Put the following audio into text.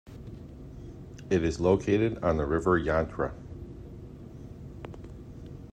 It is located on the river Yantra.